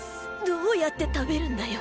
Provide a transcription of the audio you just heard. どうやって食べるんだよ。